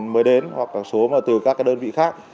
mới đến hoặc là xuống từ các đơn vị khác